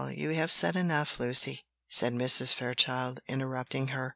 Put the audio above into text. you have said enough, Lucy," said Mrs. Fairchild, interrupting her.